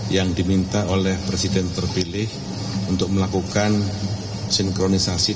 yang diminta oleh presiden terpilih untuk melakukan sinkronisasi